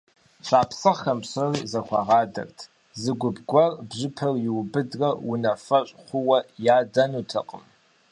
Шапсыгъхэм псори зэхуагъадэрт: зы гуп гуэр бжьыпэр иубыдрэ унафэщӀ хъууэ ядэнутэкъым.